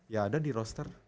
ya ada di roster